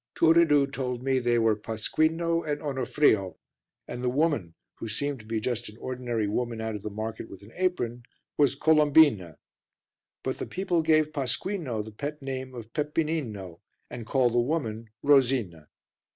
Turiddu told me they were Pasquino and Onofrio, and the woman, who seemed to be just an ordinary woman out of the market with an apron, was Colombina. But the people give Pasquino the pet name of Peppinino and call the woman Rosina.